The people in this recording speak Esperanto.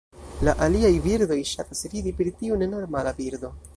La aliaj birdoj ŝatas ridi pri tiu nenormala birdo.